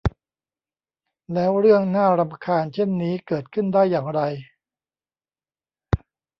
แล้วเรื่องน่ารำคาญเช่นนี้เกิดขึ้นได้อย่างไร